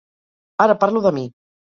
Ara parlo de mi.